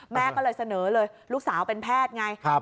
แม่ก็เลยเสนอเลยลูกสาวเป็นแพทย์ไง